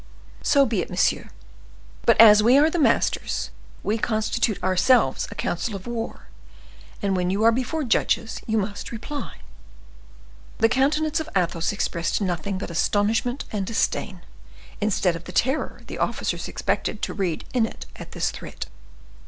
"So be it, monsieur; but as we are the masters, we constitute ourselves a council of war, and when you are before judges you must reply." The countenance of Athos expressed nothing but astonishment and disdain, instead of the terror the officers expected to read in it at this threat.